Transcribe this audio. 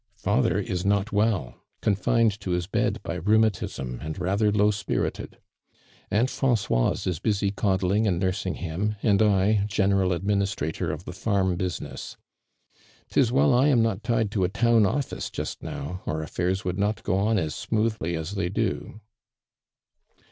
"Father is not well — confined to his bed by rheumatism and rather low spirited. Aunt Francoise is busy coddling and nursing him, and I, general administrator of the farm business. 'Tis well I am not tied to a town office just now, or affairs would not go on as smoothly as they do."